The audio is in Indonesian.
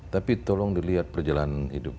tapi tolong dilihat perjalanan hidup